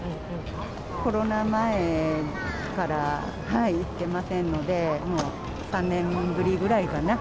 コロナ前から行ってませんので、もう３年ぶりくらいかな。